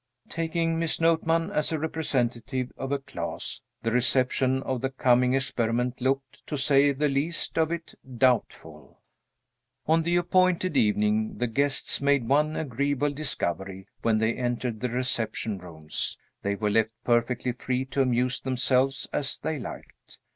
Taking Miss Notman as representative of a class, the reception of the coming experiment looked, to say the least of it, doubtful. On the appointed evening, the guests made one agreeable discovery when they entered the reception rooms. They were left perfectly free to amuse themselves as they liked.